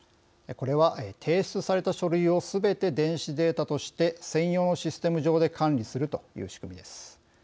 これは、提出された書類をすべて電子データとして専用のシステム上で管理するという仕組みです。